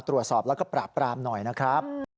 ตรวจสอบแล้วก็ปราบปรามหน่อยนะครับ